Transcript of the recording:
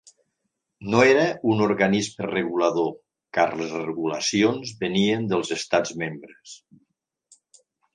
No era un organisme regulador, car les regulacions venien dels estats membres.